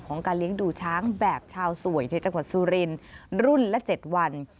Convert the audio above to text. การเลี้ยงดูช้างแบบชาวสวยในจังหวัดสุรินรุ่นละ๗วัน